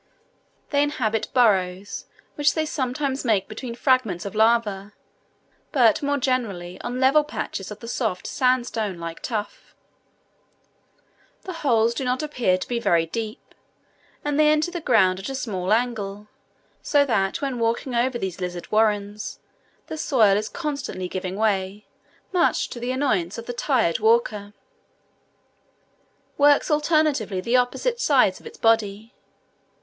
They inhabit burrows, which they sometimes make between fragments of lava, but more generally on level patches of the soft sandstone like tuff. The holes do not appear to be very deep, and they enter the ground at a small angle; so that when walking over these lizard warrens, the soil is constantly giving way, much to the annoyance of the tired walker. This animal, when making its burrow, works alternately the opposite sides of its body.